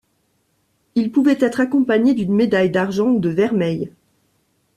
Il pouvait être accompagné d'une médaille d'argent ou de vermeil.